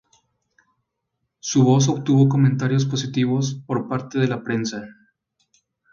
Su voz obtuvo comentarios positivos por parte de la prensa.